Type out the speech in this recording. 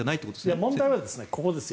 問題はここですよ。